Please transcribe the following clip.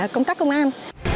công tác công an